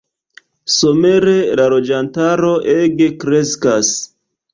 Somere la loĝantaro ege kreskas.